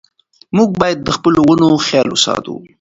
موږ باید د خپلو ونو خیال وساتو.